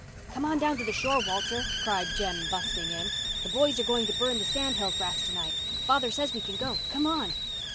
"Come on down to the shore, Walter," cried Jem, busting in. "The boys are going to burn the sand hill grass to night. Father says we can go. Come on."